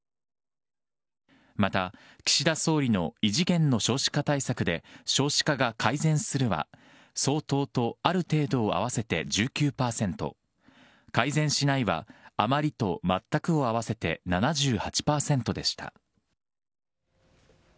また岸田総理の異次元の少子化対策で少子化が改善するは、相当とある程度を合わせて１９％、改善しないはあまりとまったくを合わせて７８％でした。